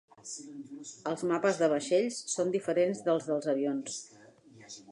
Els mapes de vaixells són diferents dels dels avions.